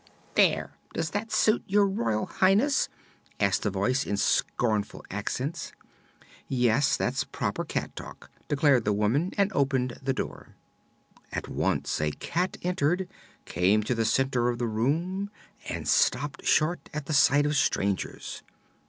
"Mee ee ow w w! There; does that suit your royal highness?" asked the voice, in scornful accents. "Yes; that's proper cat talk," declared the woman, and opened the door. At once a cat entered, came to the center of the room and stopped short at the sight of strangers.